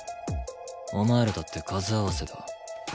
お前らだって数合わせだ。